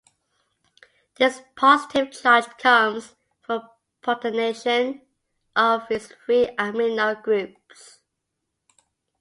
This positive charge comes from protonation of its free amino groups.